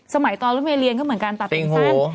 สมัยตอนเราไม่เรียนก็เหมือนกันตัดตรงสั้น